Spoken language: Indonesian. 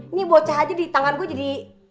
ini bocah aja di tangan gue jadi